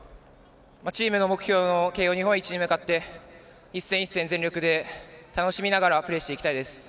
チームの目標の慶応の日本一に向かって一戦一戦、全力で楽しみながらプレーしていきたいです。